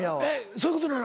そういうことなの？